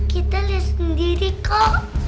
kita lihat sendiri kok